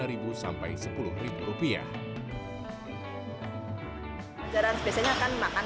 hidangan sederhana ini cukup menggugah selera apalagi dengan pelengkap sambal bawang